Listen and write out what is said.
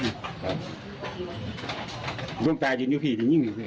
เบื้องแต่ยิ่งอยู่พี่ยิ่งอยู่พี่